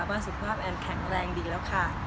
ว่าสุขภาพแอนแข็งแรงดีแล้วค่ะ